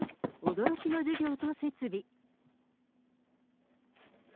驚きの授業と設備。